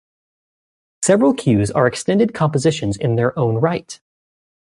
Several cues are extended compositions in their own right.